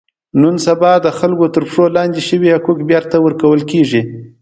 نن سبا د خلکو تر پښو لاندې شوي حقوق بېرته ور کول کېږي.